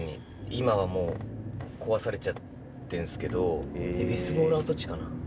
今はもう壊されちゃってんすけどエビスボウル跡地かな？